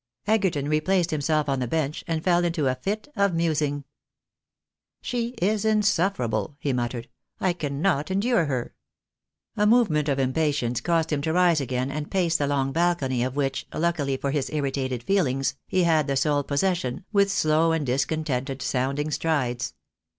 Egerton replaced himself on the bench, and fell into a fit of musing. " She is insufferable," he muttered, " I cannot endure her !" A movement of impatience caiised him to rise again and pace the long balcony of which, luckily for his irritated feelings, he had the sole possession, with slow and discontented sounding strides.